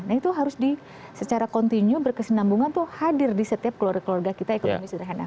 nah itu harus secara kontinu berkesinambungan tuh hadir di setiap keluarga keluarga kita ekonomi sederhana